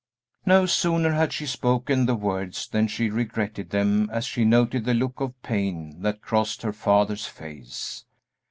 No sooner had she spoken the words than she regretted them as she noted the look of pain that crossed her father's face.